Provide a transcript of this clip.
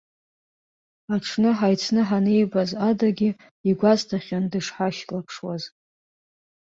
Аҽны ҳаицны ҳанибаз адагьы, игәасҭахьан дышҳашьклаԥшуаз.